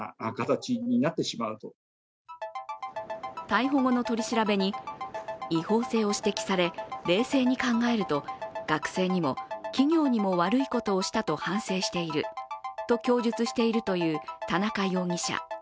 逮捕後の取り調べに違法性を指摘され冷静に考えると学生にも企業にも悪いことをしたと反省していると供述しているという田中容疑者。